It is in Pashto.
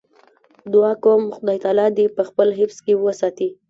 دعا کوم خدای تعالی دې په خپل حفظ کې وساتي.